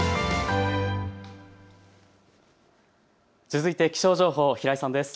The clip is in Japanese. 続いて気象情報、平井さんです。